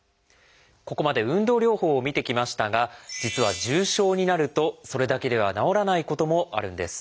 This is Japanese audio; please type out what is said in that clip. ここまで運動療法を見てきましたが実は重症になるとそれだけでは治らないこともあるんです。